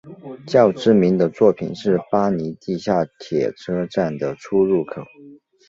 较知名的作品是巴黎地下铁车站的出入口。